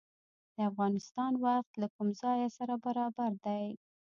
د افغانستان وخت له کوم ځای سره برابر دی؟